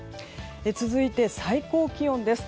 続いて、最高気温です。